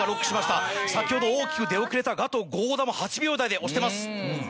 先ほど大きく出遅れたガト・合田も８秒台で押してます。